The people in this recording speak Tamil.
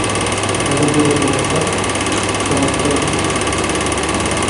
சடுகுடு ஆட்டம் டாக்டர்.